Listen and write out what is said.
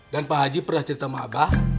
dan pa haji pernah cerita sama abah